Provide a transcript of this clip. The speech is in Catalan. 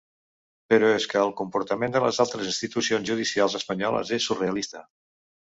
Però és que el comportament de les altres instruccions judicials espanyoles és surrealista.